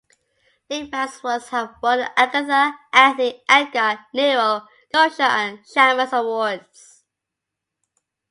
Lippman's works have won the Agatha, Anthony, Edgar, Nero, Gumshoe and Shamus awards.